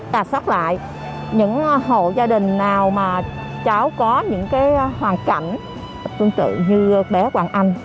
tà sóc lại những hộ gia đình nào mà cháu có những cái hoàn cảnh tương tự như bé hoàng anh